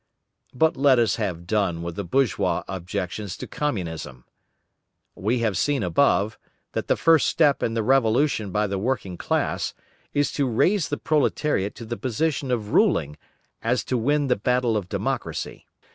But let us have done with the bourgeois objections to Communism. We have seen above, that the first step in the revolution by the working class, is to raise the proletariat to the position of ruling as to win the battle of democracy.